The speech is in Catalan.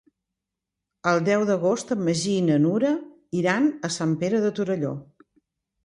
El deu d'agost en Magí i na Nura iran a Sant Pere de Torelló.